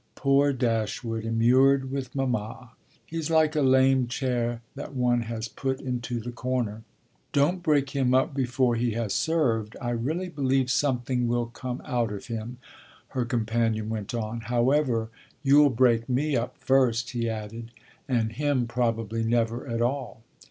"Poor Dashwood immured with mamma he's like a lame chair that one has put into the corner." "Don't break him up before he has served. I really believe something will come out of him," her companion went on. "However, you'll break me up first," he added, "and him probably never at all."